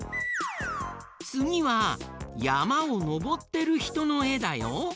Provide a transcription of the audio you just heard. つぎはやまをのぼってるひとのえだよ。